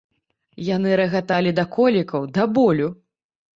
Яны рагаталі да колікаў, да болю.